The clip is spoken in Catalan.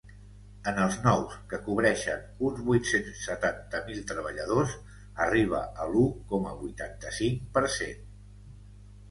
En els nous, que cobreixen uns vuit-cents setanta mil treballadors, arriba a l’u coma vuitanta-cinc per cent.